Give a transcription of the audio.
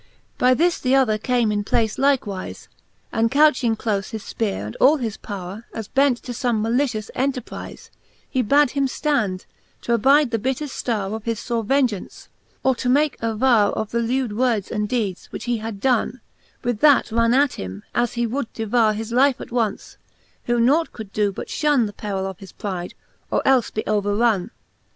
By this the other came m place likewile, And couching dole his Ipeare and all his powrc, As bent to fbme malicious enterprile, He bad him ftand, t'abide the bitter ftourc Of his fore vengeaunce, or to make avoure Of the lewd words and deedes, which he had done: With that ran at him, as he would devoure His life at once; who nought could do, but fhuii The perill of his pride, or elie be overrun.